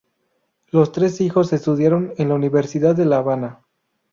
Los tres hijos estudiaron en la Universidad de La Habana.